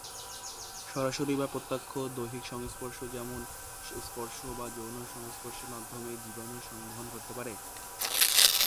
সরাসরি বা প্রত্যক্ষ দৈহিক সংস্পর্শ যেমন স্পর্শ বা যৌন সংস্পর্শের মাধ্যমে জীবাণুর সংবহন ঘটতে পারে।